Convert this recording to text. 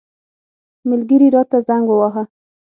ملګري راته زنګ وواهه.